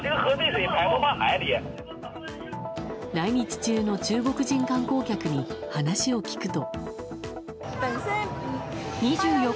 来日中の中国人観光客に話を聞くと。